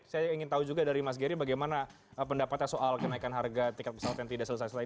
saya ingin tahu juga dari mas gery bagaimana pendapatnya soal kenaikan harga tiket pesawat yang tidak selesai